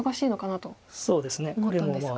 そうですね。